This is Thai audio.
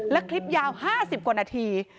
และคลิปยาวห้าสิบกว่านาที